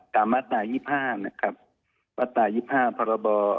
ตามวัตถา๒๕หรือวัตถา๒๕พล